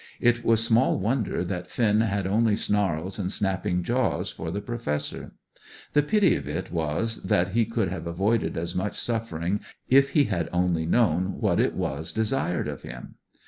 It was small wonder that Finn had only snarls and snapping jaws for the Professor. The pity of it was that he could have avoided as much suffering if he had only known what it was desired of him.